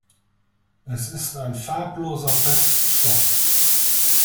Es ist ein farbloser Feststoff.